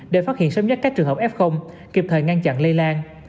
để phát hiện sớm nhất các trường hợp f kịp thời ngăn chặn lây lan